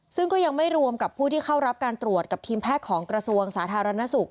ซึ่งก็ยังไม่รวมกับผู้ที่เข้ารับการตรวจกับทีมแพทย์ของกระทรวงสาธารณสุข